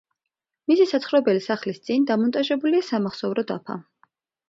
მისი საცხოვრებელი სახლის წინ დამონტაჟებულია სამახსოვრო დაფა.